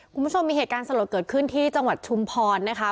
คุณผู้ชมมีเหตุการณ์สลดเกิดขึ้นที่จังหวัดชุมพรนะคะ